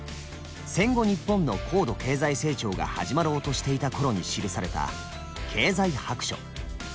戦後日本の高度経済成長が始まろうとしていた頃に記された「経済白書」。